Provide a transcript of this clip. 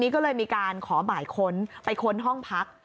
ก็เลยมีการขอหมายค้นไปค้นห้องพัก